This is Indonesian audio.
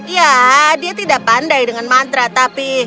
ya dia tidak pandai dengan mantra tapi